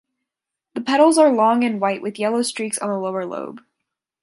The petals are long and white with yellow streaks on the lower lobe.